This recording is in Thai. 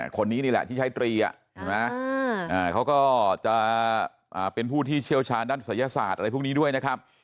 คนนี้นี่แหละที่ใช้ตรีเขาก็จะเป็นผู้ที่เชี่ยวชาญด้านศัยศาสตร์อะไรพวกนี้ด้วยนะครับ